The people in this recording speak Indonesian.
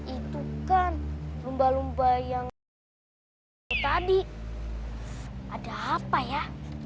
itu kan lumba lumba yang tadi ada apa ya